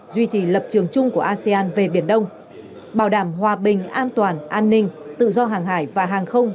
duy trì lập trường chung của asean về biển đông bảo đảm hòa bình an toàn an ninh tự do hàng hải và hàng không